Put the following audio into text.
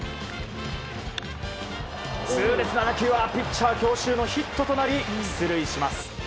痛烈な打球はピッチャー強襲のヒットとなり、出塁します。